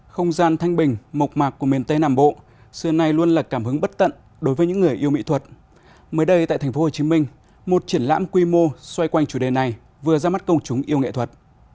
không gian thanh bình mộc mạc của miền tây nam bộ xưa nay luôn là cảm hứng bất tận đối với những người yêu mỹ thuật mới đây tại tp hcm một triển lãm quy mô xoay quanh chủ đề này vừa ra mắt công chúng yêu nghệ thuật